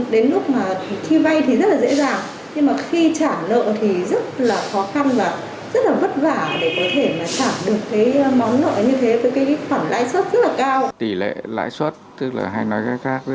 đến lúc khi vay thì rất là dễ dàng nhưng khi trả lợi thì rất là khó khăn và rất là vất vả để có thể trả được món lợi như thế với khoản lãi xuất rất là cao